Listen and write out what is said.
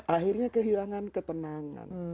akhirnya kehilangan ketenangan